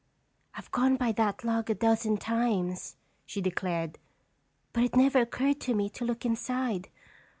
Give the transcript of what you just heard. "I've gone by that log a dozen times," she declared, "but it never occurred to me to look inside.